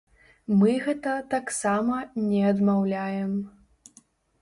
Мы гэта таксама не адмаўляем.